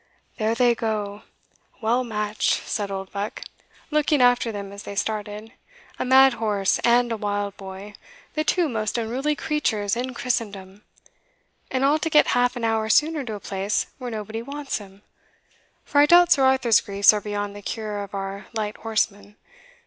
"There they go, well matched," said Oldbuck, looking after them as they started "a mad horse and a wild boy, the two most unruly creatures in Christendom! and all to get half an hour sooner to a place where nobody wants him; for I doubt Sir Arthur's griefs are beyond the cure of our light horseman.